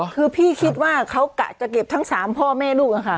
คือพี่คิดว่าเขากะจะเก็บทั้ง๓พ่อแม่ลูกค่ะ